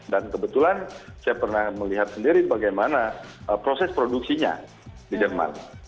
dan kebetulan saya pernah melihat sendiri bagaimana proses produksinya di jerman